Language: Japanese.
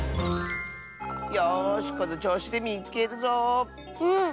よしこのちょうしでみつけるぞ。